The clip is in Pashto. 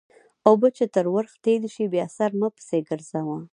اوبه چې تر ورخ تېرې شي؛ بیا سر مه پسې ګرځوه.